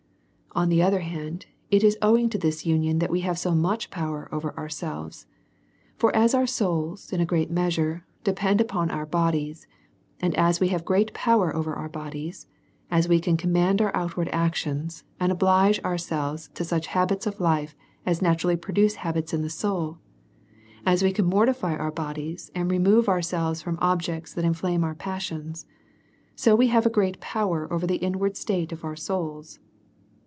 On the other hand, it is owing to this union that we have so much power over ourselves. For as our souls in a great measure depend upon our bodies, and as we have great power over our bodies, as we com mand our outward actions, and oblige ourselves to such habits of life as naturally produce habits in the soul, as we can mortify our bodies, and remove our selves from objects that inflame our passions, so we have a great power over the inward state of our souls.